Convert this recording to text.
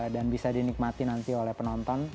dan bisa dinikmati nanti oleh penonton